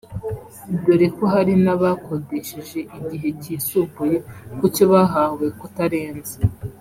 dore ko hari n’abakodesheje igihe kisumbuye ku cyo bahawe kutarenza